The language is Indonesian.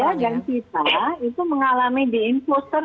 kalau saya dan sita itu mengalami diinfuser